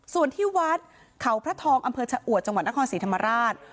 ส่วนที่วัดเขาพระทองอำเภอชะอวดจังหวัดนครศรีธรรมราช